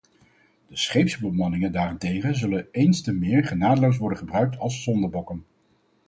De scheepsbemanningen daarentegen zullen eens te meer genadeloos worden gebruikt als zondebokken.